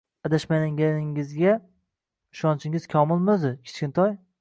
Adashmaganingizga ishonchingiz komilmi o`zi, Kichkintoy